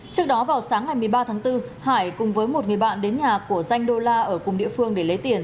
trước đó vào sáng ngày một mươi ba tháng bốn hải cùng với một người bạn đến nhà của danh đô la ở cùng địa phương để lấy tiền